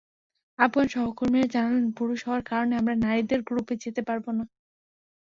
আফগান সহকর্মীরা জানালেন, পুরুষ হওয়ার কারণে আমরা নারীদের গ্রুপে যেতে পারব না।